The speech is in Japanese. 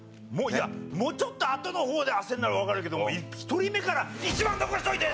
もうちょっとあとの方で焦るならわかるけども１人目から「１番残しといて！」。